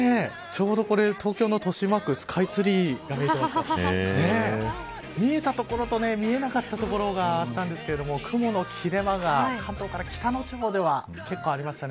ちょうど東京の豊島区スカイツリーが出ていますが見えた所と見えなかった所があったんですけれども雲の切れ間が関東から北の地方では結構、ありました。